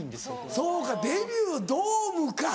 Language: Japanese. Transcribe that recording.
そうかデビュードームか！